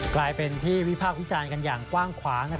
กลายเป็นที่วิพากษ์วิจารณ์กันอย่างกว้างขวาง